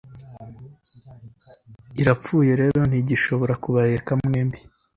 irapfuye rero ntigishobora kubaheka mwembi